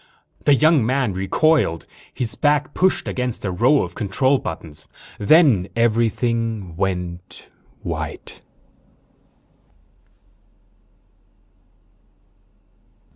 The young man recoiled. His back pushed against a row of control buttons. _Then everything went white.